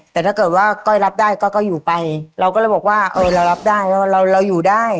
แต่ถ้าเกิดว่าก้อยรับได้ก้อยก็อยู่ไปเราก็เลยบอกว่าเออเรารับได้ว่าเราเราอยู่ได้